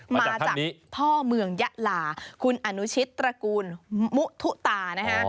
มาจากพ่อเมืองยะลาคุณอนุชิตตระกูลมุทุตานะฮะ